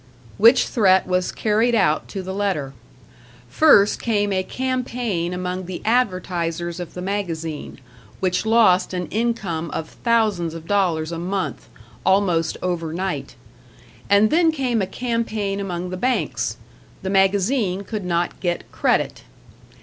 Which threat was carried out to the letter. First came a campaign among the advertisers of the magazine, which lost an income of thousands of dollars a month, almost over night. And then came a campaign among the banks the magazine could not get credit.